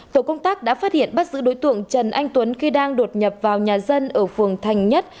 tổ công tác đã phát hiện bắt giữ đối tượng trần anh tuấn khi đang đột nhập vào nhà dân ở phường thành nhất